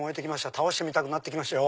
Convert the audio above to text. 倒してみたくなってきましたよ。